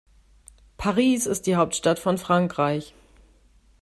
Paris ist die Hauptstadt von Frankreich.